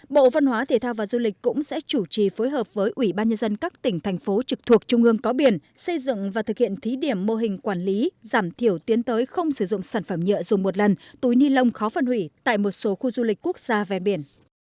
bộ văn hóa thể thao và du lịch cũng sẽ chủ trì phối hợp với ủy ban nhân dân các tỉnh thành phố trực thuộc trung ương có biển xây dựng và thực hiện thí điểm mô hình quản lý giảm thiểu tiến tới không sử dụng sản phẩm nhựa dùng một lần túi ni lông khó phân hủy tại một số khu du lịch quốc gia ven biển